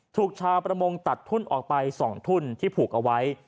ถูกชาวประมงตัดทุ่นออกไป๒ทุ่นที่ผูกเอาไว้